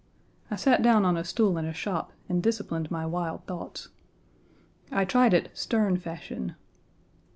I sat down on a stool in a shop and disciplined my wild thoughts. I tried it Sterne fashion.